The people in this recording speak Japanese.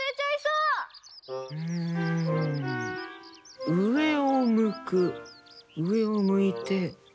うえをむくうえをむいて。